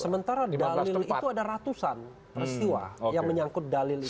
sementara dalil itu ada ratusan peristiwa yang menyangkut dalil itu